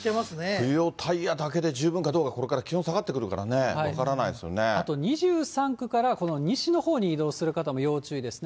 冬用タイヤだけで十分かどうか、これから気温下がってくるか２３区から西のほうに移動する方も要注意ですね。